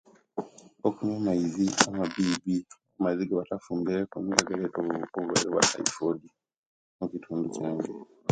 Oku okunyua amaizi amabibi amaizi egebatafumbireku nigo agaleta obuwuka obuleta obulwaire bye'typhoid mukitundu kyange